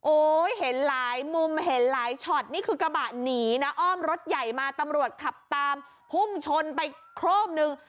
เห็นหลายมุมเห็นหลายช็อตนี่คือกระบะหนีนะอ้อมรถใหญ่มาตำรวจขับตามพุ่งชนไปโคร่มนึง